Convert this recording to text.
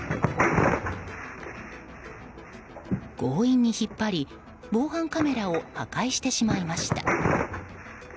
強引に引っ張り、防犯カメラを破壊してしまいました。